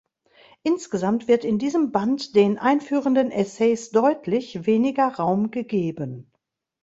Insgesamt wird in diesem Band den einführenden Essays deutlich weniger Raum gegeben.